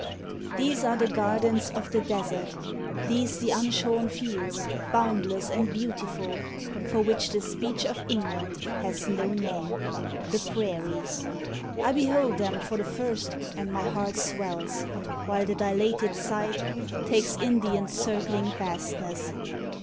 ° These are the gardens of the Desert, these The unshorn fields, boundless and beautiful, For which the speech of England has no name The Prairies. I behold them for the first, And my heart swells, while the dilated sight Takes in the encircling vastness.